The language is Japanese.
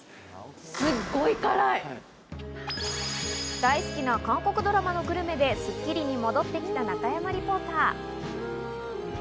大好きな韓国ドラマのグルメで『スッキリ』に戻ってきた中山リポーター。